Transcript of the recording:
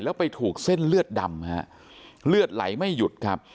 แล้วไปถูกเส้นเลือดดำฮะเลือดไหลไม่หยุดครับ